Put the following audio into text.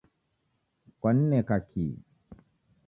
Kwanineka ki